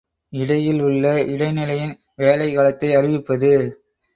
இடையில் உள்ள இடை நிலையின் வேலை காலத்தை அறிவிப்பது.